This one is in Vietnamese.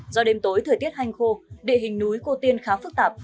do đêm tối thời tiết hành khô địa hình núi cô tiên khá phức tạp